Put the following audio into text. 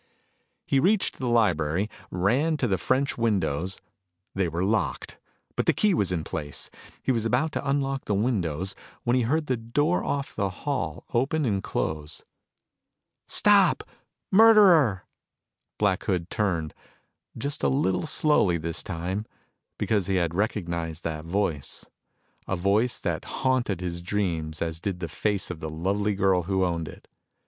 He reached the library, ran to the French windows. They were locked, but the key was in place. He was about to unlock the windows when he heard the door off the hall open and close. "Stop, murderer!" Black Hood turned, just a little slowly this time, because he had recognized that voice a voice that haunted his dreams as did the face of the lovely girl who owned it.